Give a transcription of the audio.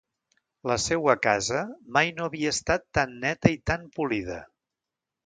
La seua casa mai no havia estat tan neta i tan polida.